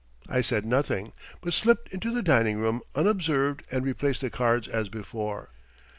I said nothing, but slipped into the dining room unobserved and replaced the cards as before.